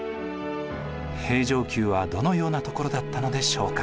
平城宮はどのようなところだったのでしょうか？